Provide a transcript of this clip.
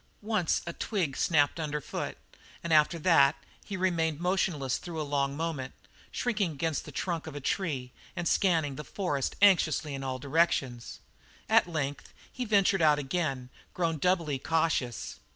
Once a twig snapped under foot, and after that he remained motionless through a long moment, shrinking against the trunk of a tree and scanning the forest anxiously in all directions. At length he ventured out again, grown doubly cautious.